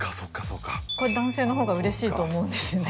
これ男性の方がうれしいと思うんですね。